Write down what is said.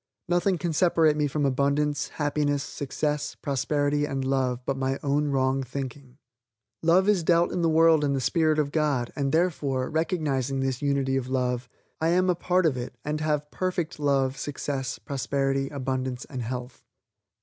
Nothing can separate me from abundance, happiness, success, prosperity and love, but my own wrong thinking. Love is dealt in the world in the spirit of God and, therefore, recognizing this unity of love, I am a part of it and have perfect love, success, prosperity, abundance and health.